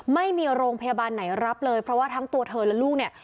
ไม่มีโรงพยาบาลไหนรับเลยเพราะว่าทั้งตัวเธอและลูกเนี่ย